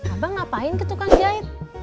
abang ngapain ke tukang jahit